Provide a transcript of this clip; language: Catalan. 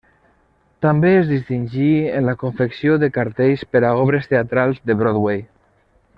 També es distingí en la confecció de cartells per a obres teatrals de Broadway.